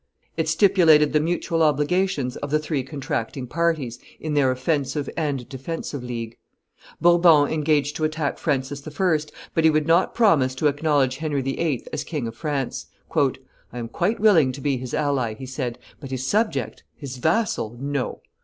It stipulated the mutual obligations of the three contracting parties in their offensive and defensive league. Bourbon engaged to attack Francis I. but he would not promise to acknowledge Henry VIII. as King of France. "I am quite willing to be his ally," he said, "but his subject, his vassal, no!